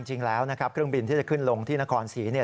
จริงแล้วนะครับเครื่องบินที่จะขึ้นลงที่นครศรีเนี่ย